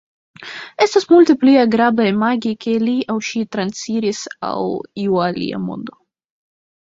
Estus multe pli agrable imagi, ke li aŭ ŝi transiris al iu alia mondo.